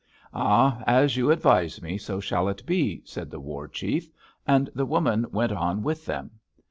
"'Ah! As you advise me, so shall it be,' said the war chief; and the woman went on with them.